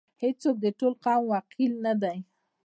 هیڅوک د ټول قوم وکیل نه دی.